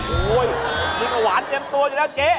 โอ๊ยมีแต่หวานเต็มตัวจะได้เจ๊